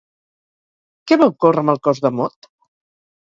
Què va ocórrer amb el cos de Mot?